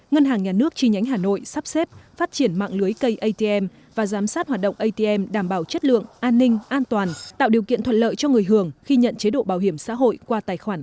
ngân hàng nhà nước chi nhánh hà nội sắp xếp phát triển mạng lưới cây atm và giám sát hoạt động atm đảm bảo chất lượng an ninh an toàn tạo điều kiện thuận lợi cho người hưởng khi nhận chế độ bảo hiểm xã hội qua tài khoản